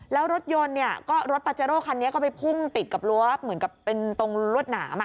แล้วรถยนต์เนี่ยก็รถปาเจโร่คันนี้ก็ไปพุ่งติดกับรั้วเหมือนกับเป็นตรงรวดหนาม